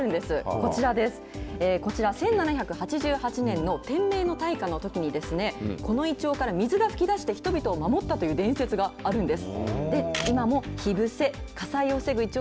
こちら、１７８８年の天明の大火のときに、このイチョウから水が噴き出して、人々を守ったという伝説があるんです。